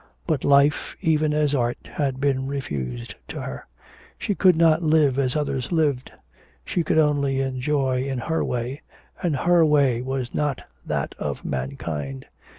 But life, even as art, had been refused to her. She could not live as others lived; she could only enjoy in her way, and her way was not that of mankind.